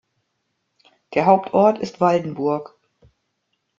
Der Hauptort ist Waldenburg.